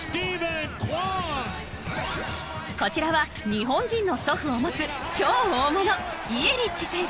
こちらは日本人の祖父を持つ超大物イエリッチ選手。